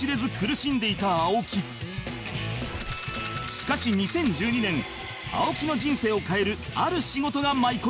しかし２０１２年青木の人生を変えるある仕事が舞い込む